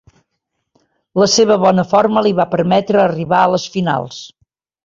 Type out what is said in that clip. La seva bona forma li va permetre arribar a les finals.